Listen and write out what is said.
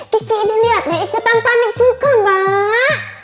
ki ki ini liatnya ikutan panik juga mbak